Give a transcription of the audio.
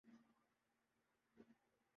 اب ان کی صحت پر بات ہوگی جے آئی ٹی کی رپورٹ